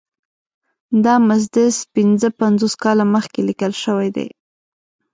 دا مسدس پنځه پنځوس کاله مخکې لیکل شوی دی.